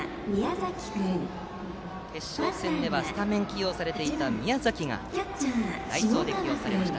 決勝戦ではスタメン起用されていた宮崎が代走で起用されました。